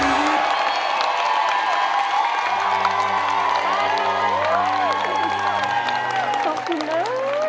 เออกิมโอ้โหจะถือแล้ว